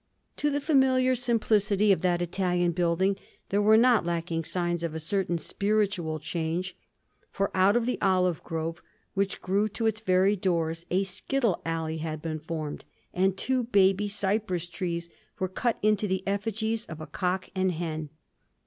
To the familiar simplicity of that Italian building there were not lacking signs of a certain spiritual change, for out of the olive grove which grew to its very doors a skittle alley had been formed, and two baby cypress trees were cut into the effigies of a cock and hen.